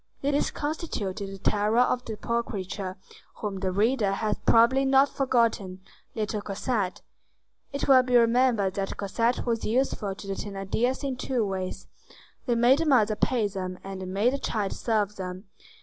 This constituted the terror of the poor creature whom the reader has probably not forgotten,—little Cosette. It will be remembered that Cosette was useful to the Thénardiers in two ways: they made the mother pay them, and they made the child serve them.